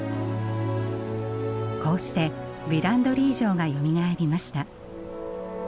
こうしてヴィランドリー城がよみがえりました。